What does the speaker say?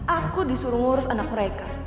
aku disuruh ngurus anak mereka